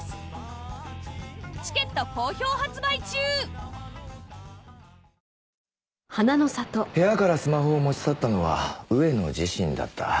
お申し込みは部屋からスマホを持ち去ったのは上野自身だった。